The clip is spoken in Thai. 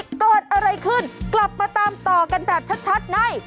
เกิดอะไรขึ้นกลับมาตามต่อกันแบบชัดใน